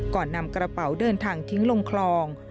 ก่อนนำกระเป๋าเดินทางทิ้งลงคลอง